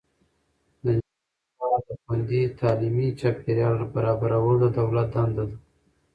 د نجونو لپاره د خوندي تعلیمي چاپیریال برابرول د دولت دنده ده.